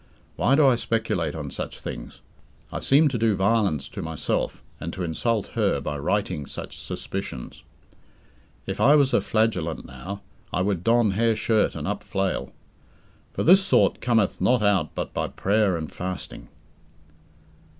Why do I speculate on such things? I seem to do violence to myself and to insult her by writing such suspicions. If I was a Flagellant now, I would don hairshirt and up flail. "For this sort cometh not out but by prayer and fasting."